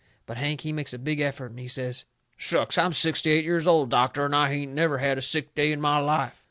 But Hank, he makes a big effort, and he says: "Shucks! I'm sixty eight years old, doctor, and I hain't never had a sick day in my life."